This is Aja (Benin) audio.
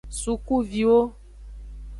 Sukuviwo.